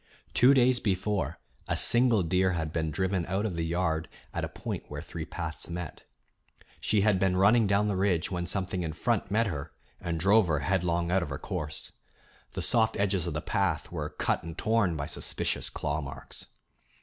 Two days before, a single deer had been driven out of the yard at a point where three paths met. She had been running down the ridge when something in front met her and drove her headlong out of her course. The soft edges of the path were cut and torn by suspicious claw marks.